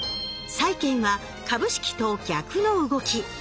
債券は株式と逆の動き